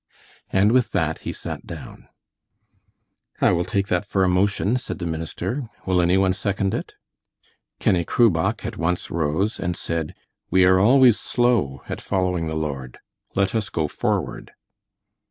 And with that he sat down. "I will take that for a motion," said the minister. "Will any one second it?" Kenny Crubach at once rose and said: "We are always slow at following the Lord. Let us go forward."